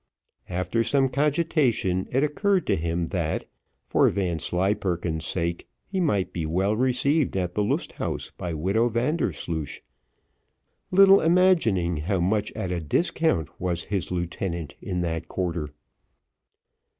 After some cogitation, it occurred to him that, for Vanslyperken's sake, he might be well received at the Lust Haus by widow Vandersloosh, little imagining how much at a discount was his lieutenant in that quarter.